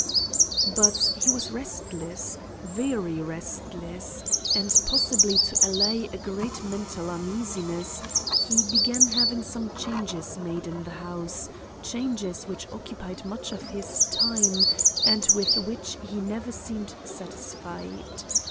"But he was restless, very restless, and possibly to allay a great mental uneasiness, he began having some changes made in the house; changes which occupied much of his time and with which he never seemed satisfied.